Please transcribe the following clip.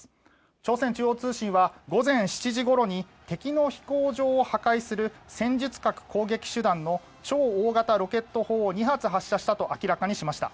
朝鮮中央通信は午前７時ごろに敵の飛行場を破壊する戦術核攻撃手段の超大型ロケット砲２発発射したと明らかにしました。